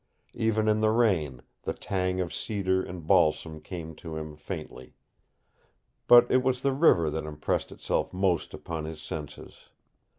Even in the rain the tang of cedar and balsam came to him faintly. But it was the river that impressed itself most upon his senses.